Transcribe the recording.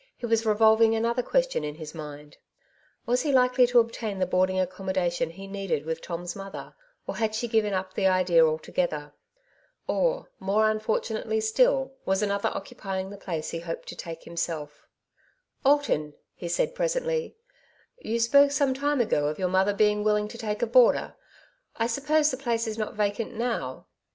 He was 178 " Two Sides to every Question. f> revolving another question in his mind; was he likely to obtain the boarding accommodation he needed with Tom^s mother^ or had she given up the idea altogether ? or, more unfortunately still, was another occupying the place he hoped to take him self? '* Alton," he presently said, ^^ you spoke some time ago of your mother being willing to take a boarder. I suppose the place is not vacant now